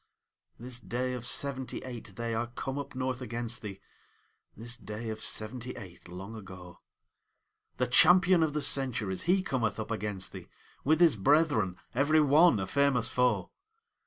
This day of seventy eight they are come up north against thee This day of seventy eight long ago! The champion of the centuries, he cometh up against thee, With his brethren, everyone a famous foe!